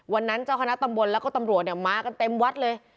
เจ้าคณะตำบลแล้วก็ตำรวจมากันเต็มวัดเลย